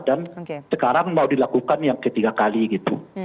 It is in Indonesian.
dan sekarang mau dilakukan yang ketiga kali gitu